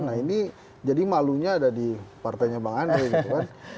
nah ini jadi malunya ada di partainya bang andre gitu kan